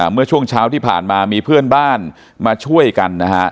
เมื่อช่วงเช้าที่ผ่านมามีเพื่อนบ้านมาช่วยกันนะฮะ